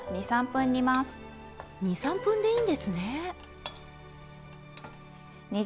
２３分でいいんですね。